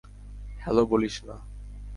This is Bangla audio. হ্যালো বলিস না।